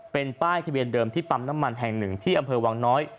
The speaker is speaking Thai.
เป็นป้ายทะเบียนเดิมที่ปั๊มน้ำมันแห่งหนึ่งที่อำเภอวังน้อย